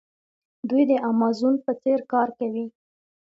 دوی د امازون په څیر کار کوي.